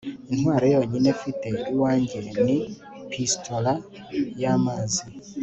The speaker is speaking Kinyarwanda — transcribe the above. intwaro yonyine mfite iwanjye ni pistolet y'amazi